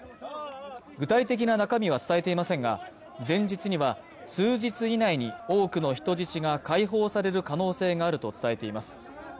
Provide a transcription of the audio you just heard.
具体的な中身は伝えていませんが前日には数日以内に多くの人質が解放される可能性があると伝えています